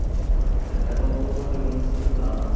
" And evermore when the winds blew loud.